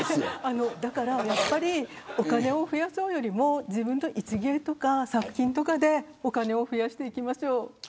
だから、やっぱりお金を増やそうよりも自分の一芸とか作品とかでお金を増やしていきましょう。